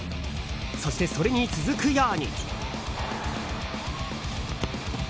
そして、それに続くように。